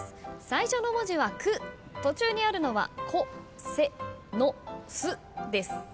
最初の文字は「く」途中にあるのは「こ」「せ」「の」「す」です。